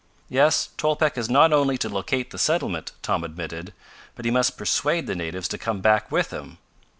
"Yes, Tolpec has not only to locate the settlement," Tom admitted, "but he must persuade the natives to come back with him.